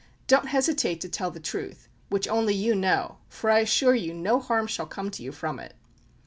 Don't hesitate to tell the truth, which only you know, for I assure you no harm shall come to you from it."